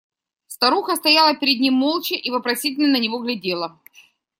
Старуха стояла перед ним молча и вопросительно на него глядела.